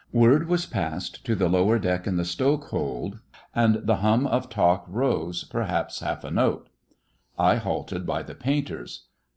Word was passed to the lower deck and the stokehold: and the hum of talk rose, perhaps, half a note. I halted by the painters.